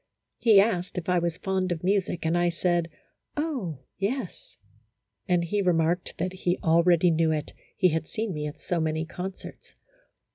He asked if I was fond of music, and I said, "oh, yes," and he remarked that he already knew it, he had seen me at so many concerts.